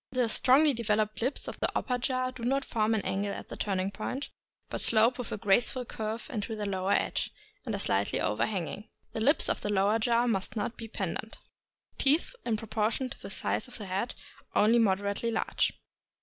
The strongly developed lips of the upper jaw do not form an angle at the turning point, but slope with 556 THE AMERICAN BOOK OF THE DOG. a graceful curve into their lower edge, and are slightly over hanging. The lips of the lower jaw must not be pendent. Teeth, in proportion to the size of the head, only moderately large.